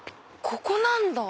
ここなんだ。